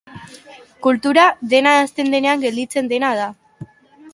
Kultura, dena ahazten denean gelditzen dena da